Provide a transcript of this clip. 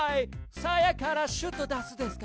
さやからシュッと出すですか？